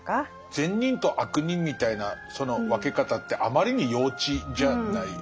善人と悪人みたいなその分け方ってあまりに幼稚じゃないですか。